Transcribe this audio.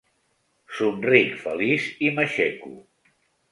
Somric feliç i m'aixeco.